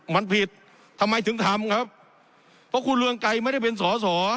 มันผิดทำไมถึงทำครับเพราะคุณเรืองไกรไม่ได้เป็นสอสอ